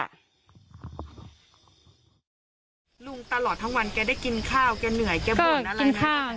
ลุงตลอดทั้งวันแกได้กินข้าวแกเหนื่อยแกบ่นอะไร